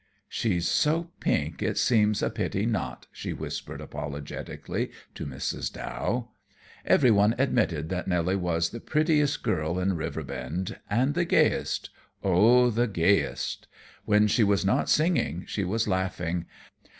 "She's so pink; it seems a pity not," she whispered apologetically to Mrs. Dow. Every one admitted that Nelly was the prettiest girl in Riverbend, and the gayest oh, the gayest! When she was not singing, she was laughing.